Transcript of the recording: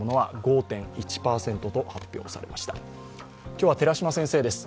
今日は寺嶋先生です